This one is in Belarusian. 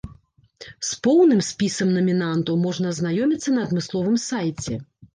З поўным спісам намінантаў можна азнаёміцца на адмысловым сайце.